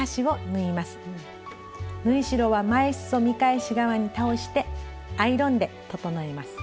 縫い代は前すそ見返し側に倒してアイロンで整えます。